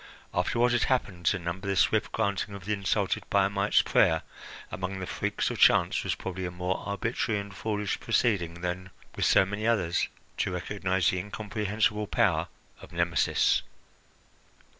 After what had happened, to number the swift granting of the insulted Biamite's prayer among the freaks of chance was probably a more arbitrary and foolish proceeding than, with so many others, to recognise the incomprehensible power of Nemesis.